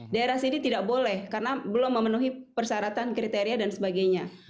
daerah sini tidak boleh karena belum memenuhi persyaratan kriteria dan sebagainya